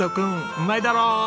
うまいだろ！